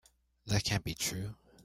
That can't be true.